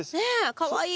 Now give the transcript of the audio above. かわいい。